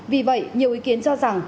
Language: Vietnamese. vì vậy nhiều ý kiến cho rằng